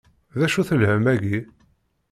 D acu-t lhemm-agi?